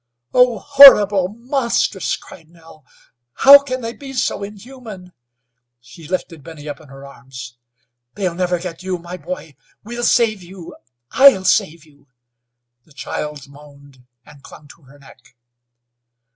"Oh! Horrible! Monstrous!" cried Nell. "How can they be so inhuman?" She lifted Benny up in her arms. "They'll never get you, my boy. We'll save you I'll save you!" The child moaned and clung to her neck.